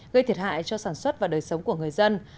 gây thiệt hại cho sản xuất và đời sống của người dân